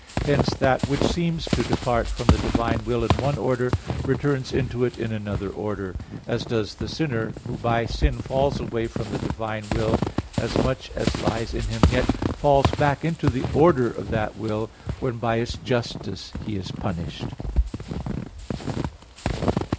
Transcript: Hence that which seems to depart from the divine will in one order, returns into it in another order; as does the sinner, who by sin falls away from the divine will as much as lies in him, yet falls back into the order of that will, when by its justice he is punished.